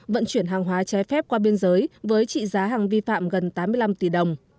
vận chuyển hàng hóa trái phép qua biên giới với trị giá hàng vi phạm gần tám mươi năm tỷ đồng